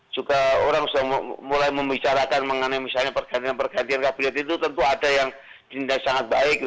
juga orang sudah mulai membicarakan mengenai misalnya pergantian pergantian kabinet itu tentu ada yang dinilai sangat baik